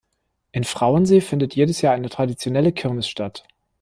In Frauensee findet jedes Jahr eine traditionelle Kirmes statt.